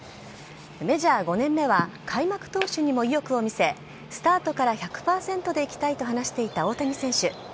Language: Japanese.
メジャー５年目は開幕投手にも意欲を見せスタートから１００％で行きたいと話していた大谷選手。